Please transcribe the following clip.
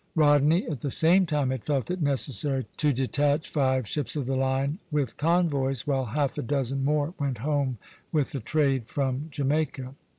" Rodney at the same time had felt it necessary to detach five ships of the line with convoys, while half a dozen more went home with the trade from Jamaica.